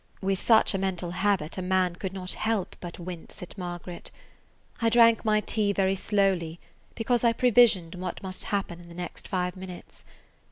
With such a mental habit a man could not help but wince at Margaret. I drank my tea very slowly because I pre [Page 113] visioned what must happen in the next five minutes.